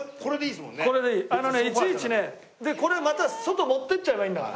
でこれまた外持っていっちゃえばいいんだから。